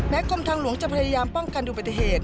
กรมทางหลวงจะพยายามป้องกันอุบัติเหตุ